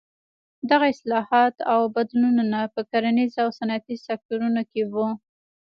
دغه اصلاحات او بدلونونه په کرنیز او صنعتي سکتورونو کې وو.